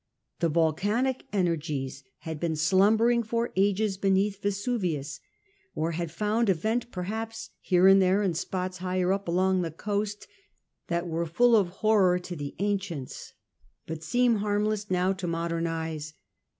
The volcanic energies had been slumbering for ages beneath Vesuvius, or had found a vent perhaps here and Tiie eruption there in spots higher up along the coast that of Vesuvius Qf horror to the ancients, but seem a few years ' before harmless now to modern eyes.